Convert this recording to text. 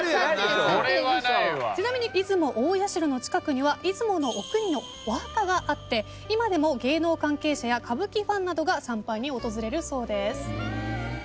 ちなみに出雲大社の近くには出雲阿国のお墓があって今でも芸能関係者や歌舞伎ファンなどが参拝に訪れるそうです。